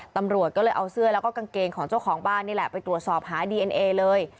ตำรวจก็เลยเอาเสื้อแล้วก็กางเกงของเจ้าของบ้านนี่แหละไปตรวจสอบหาดีเอ็นเอเลย